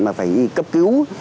mà phải cấp cứu